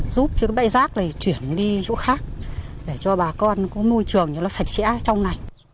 giúp cho cái bãi rác này chuyển đi chỗ khác để cho bà con có môi trường cho nó sạch sẽ trong này